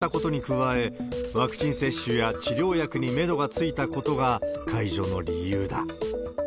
感染者が大幅に減ったことに加え、ワクチン接種や治療薬にメドがついたことが解除の理由だ。